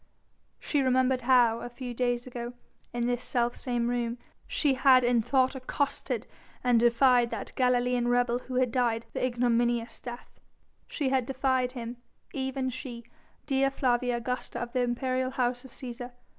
She remembered how, a few days ago, in this self same room she had in thought accosted and defied that Galilean rebel who had died the ignominious death; she had defied him, even she, Dea Flavia Augusta of the imperial House of Cæsar.